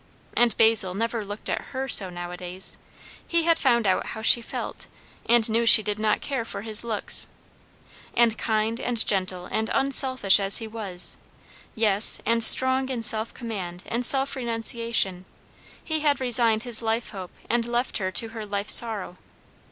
And Basil never looked at her so now a days; he had found out how she felt, and knew she did not care for his looks; and kind, and gentle, and unselfish as he was, yes, and strong in self command and self renunciation, he had resigned his life hope and left her to her life sorrow.